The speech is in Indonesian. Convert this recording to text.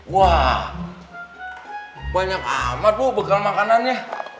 wah banyak amat bu pegal makanannya